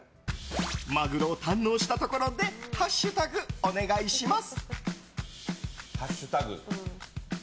マグロを堪能したところでハッシュタグ、お願いします。